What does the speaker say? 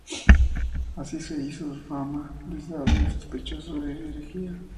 Así se hizo fama de sabio y sospechoso de herejía.